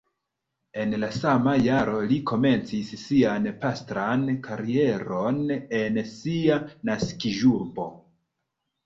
En la sama jaro li komencis sian pastran karieron en sia naskiĝurbo.